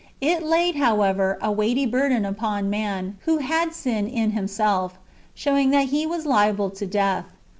It laid, however, a weighty burden upon man, who had sin in himself, showing that he was liable to death.